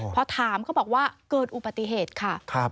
พอถามเขาบอกว่าเกิดอุบัติเหตุค่ะ